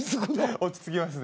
落ち着きますね。